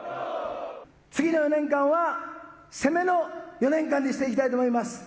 次の４年間は攻めの４年間にしていきたいと思います。